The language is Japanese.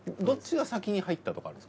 どっちが先に入ったとか。